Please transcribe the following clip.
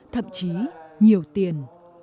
thậm chí nhiều tiền